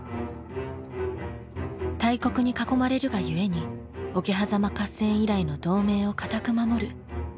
大国に囲まれるがゆえに桶狭間合戦以来の同盟を堅く守る信長と家康。